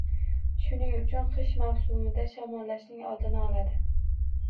Shuning uchun qish mavsumida shamollashning oldini oladi.